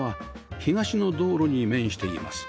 東の道路に面しています